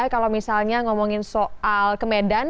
kalau misalnya ngomongin soal kemedan